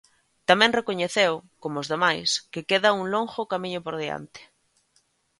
Tamén recoñeceu, como os demais, que queda un longo camiño por diante.